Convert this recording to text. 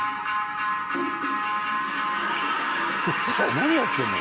「何やってんの？